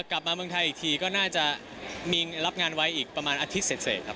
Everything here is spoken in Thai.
กลับมาเมืองไทยอีกทีก็น่าจะมีรับงานไว้อีกประมาณอาทิตย์เสร็จครับ